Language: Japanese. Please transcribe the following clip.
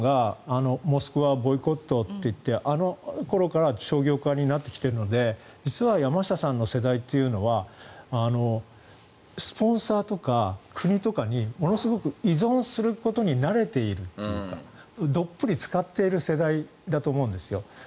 ちょうど山下さんがモスクワボイコットっていってあの頃から商業化になってきているので実は山下さんの世代というのはスポンサーとか国とかにものすごく依存することに慣れているというかどっぷりつかっている世代だと思うんです。